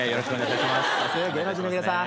芸能人の皆さん。